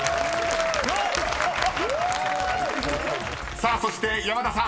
［さあそして山田さん